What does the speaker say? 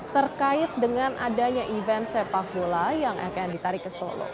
terkait dengan adanya event sepak bola yang akan ditarik ke solo